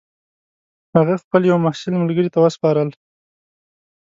هغه خپل یوه محصل ملګري ته وسپارل.